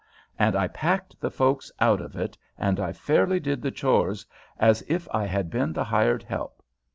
and I packed the folks out of it, and I fairly did the chores as if I had been the hired help.